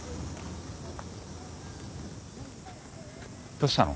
どうしたの？